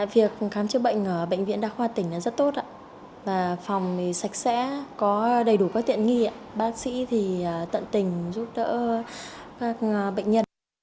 việc khám chứa bệnh ở bệnh viện đa khoa tỉnh rất tốt phòng sạch sẽ đầy đủ tiện nghi bác sĩ tận tình giúp đỡ các bệnh nhân